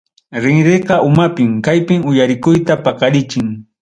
Rinriqa umapim, kaypim uyarikuyta paqarichin.